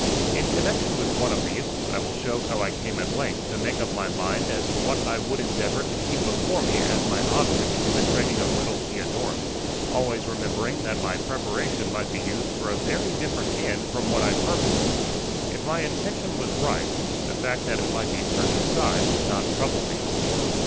In connection with one of these, I will show how I came at length to make up my mind as to what I would endeavour to keep before me as my object in the training of little Theodora, always remembering that my preparation might be used for a very different end from what I purposed. If my intention was right, the fact that it might be turned aside would not trouble me.